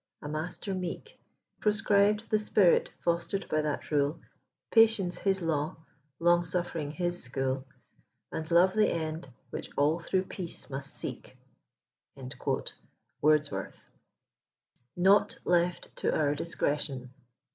A master meek Proscribed the spirit fostered by that rule, Patience his law, long suffering his school, And love the end, which all through peace must seek." Wordsworiht " NOT LEFT TO OUR DISCRETION.''